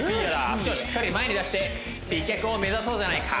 足をしっかり前に出して美脚を目指そうじゃないか